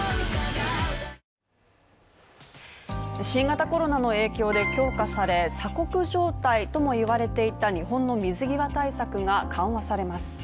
新型コロナの影響で強化され、鎖国状態ともいわれていた日本の水際対策が緩和されます。